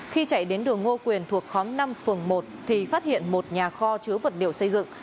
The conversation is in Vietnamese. khi chạy đến đường ngô quyền thuộc khóm năm phường một thì phát hiện một nhà kho chứa vật liệu xây dựng